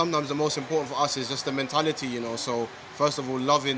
pertama sekali kita harus mencintai permainan memiliki kekuatan yang penting